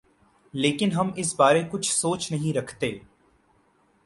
لیکن ہم اس بارے کچھ سوچ نہیں رکھتے۔